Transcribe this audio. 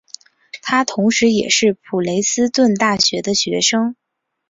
他同时也是普雷斯顿大学的学生。